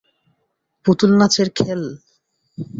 পুতুল নাচের খেল?